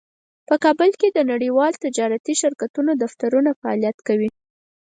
په کابل کې د نړیوالو تجارتي شرکتونو دفترونه فعالیت کوي